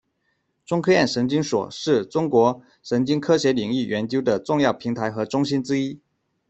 中科院神经所是中国神经科学领域研究的重要平台和中心之一。